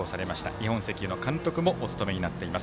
日本石油の監督もお務めになっています。